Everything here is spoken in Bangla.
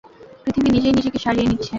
পৃথিবী নিজেই নিজেকে সারিয়ে নিচ্ছে!